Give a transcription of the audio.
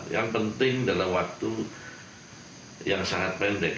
yang penting dalam waktu yang sangat pendek